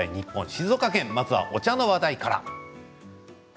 静岡、まずはお茶の話題からです。